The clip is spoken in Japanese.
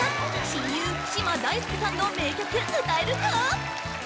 親友嶋大輔さんの名曲歌えるか？